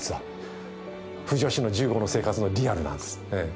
婦女子の銃後の生活のリアルなんです。